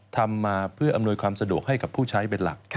ทำมาเพื่ออำนวยความสะดวกให้กับผู้ใช้เป็นหลัก